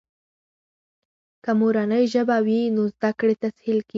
که مورنۍ ژبه وي، نو زده کړې تسهیل کیږي.